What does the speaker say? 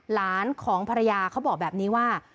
หลานของภรรยาเขาบอกแบบนี้ว่า